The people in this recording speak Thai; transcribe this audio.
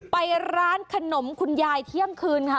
ไปร้านขนมคุณยายเที่ยงคืนค่ะ